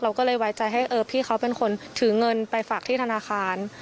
ก็เลยไว้ใจให้เออพี่เขาเป็นคนถือเงินไปฝากที่ธนาคาร